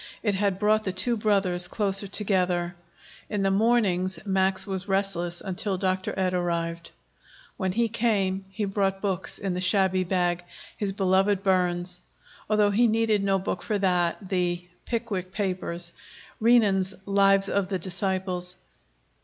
It had brought the two brothers closer together. In the mornings Max was restless until Dr. Ed arrived. When he came, he brought books in the shabby bag his beloved Burns, although he needed no book for that, the "Pickwick Papers," Renan's "Lives of the Disciples."